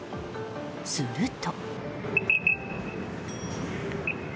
すると。